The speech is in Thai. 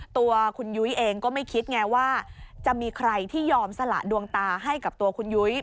ตัวคุณยุ้ยเองก็ไม่คิดไงว่าจะมีใครที่ยอมสละดวงตาให้กับตัวคุณยุ้ย